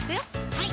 はい